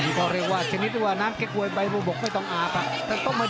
ตอบเรียกว่าชนิดอ่าน้ำเกะโวยไปบุบกไม่ต้องอาบ